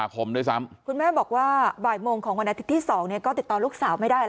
กลุ่มตัวเชียงใหม่